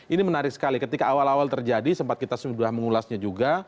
ini menarik sekali ketika awal awal terjadi sempat kita sudah mengulasnya juga